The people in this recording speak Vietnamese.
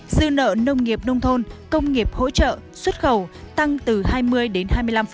dư nợ nông nghiệp nông thôn công nghiệp hỗ trợ xuất khẩu tăng từ hai mươi đến hai mươi năm